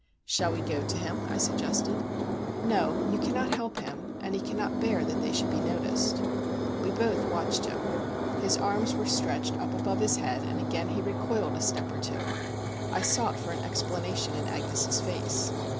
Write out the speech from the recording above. "Shall we go to him?" I suggested. "No; you cannot help him; and he cannot bear that they should be noticed." We both watched him. His arms were stretched up above his head, and again he recoiled a step or two. I sought for an explanation in Agnes' face.